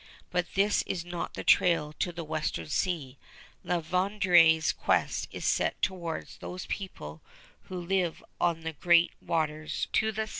But this is not the trail to the Western Sea; La Vérendrye's quest is set towards those people "who live on the great waters to the south."